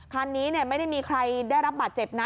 คันนี้ไม่ได้มีใครได้รับบาดเจ็บนะ